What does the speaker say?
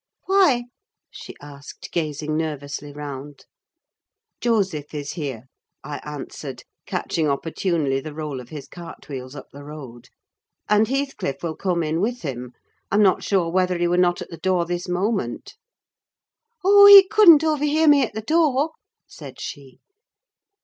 "Why?" she asked, gazing nervously round. "Joseph is here," I answered, catching opportunely the roll of his cartwheels up the road; "and Heathcliff will come in with him. I'm not sure whether he were not at the door this moment." "Oh, he couldn't overhear me at the door!" said she.